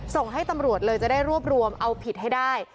ส่งให้ตำรวจเลยจะได้รวบรวมเอาผิดให้ได้